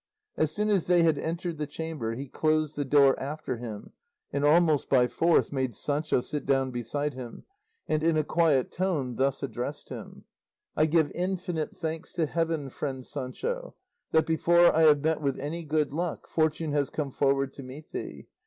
As soon as they had entered the chamber he closed the door after him, and almost by force made Sancho sit down beside him, and in a quiet tone thus addressed him: "I give infinite thanks to heaven, friend Sancho, that, before I have met with any good luck, fortune has come forward to meet thee.